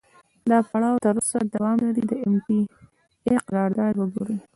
دا پړاو تر اوسه دوام لري، د ام ټي اې قرارداد وګورئ.